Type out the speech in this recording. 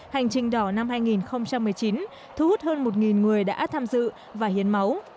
hành trình đỏ năm hai nghìn một mươi chín thu hút hơn một người đã tham dự và hiến máu